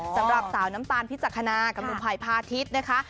สำหรับสาวน้ำตาลพิจารคณะกับหนุ่มภัยภาษฐิสต์นะคะ